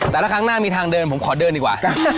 ครั้งหน้ามีทางเดินผมขอเดินดีกว่า